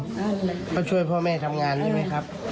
ได้เลยพอช่วยพ่อแม่ทำงานได้ไหมครับ